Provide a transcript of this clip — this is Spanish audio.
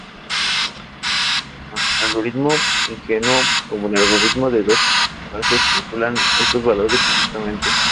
Tanto el algoritmo "ingenuo" como el algoritmo de dos pasos calculan estos valores correctamente.